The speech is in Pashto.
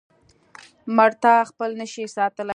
مړتا خپل نشي ساتلی.